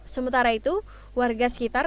sementara itu warga sekitar